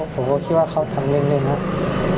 ผมก็คิดว่าเขาทำเล่นแล้ว